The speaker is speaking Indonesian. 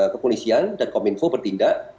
kepunisian dan kominfo bertindak